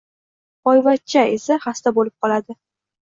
Boyvachcha esa, xasta bo‘lib qoladi.